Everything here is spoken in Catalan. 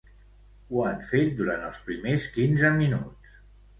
Ho han fet durant els primers quinze minuts.